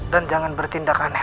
dan jangan bertindak aneh aneh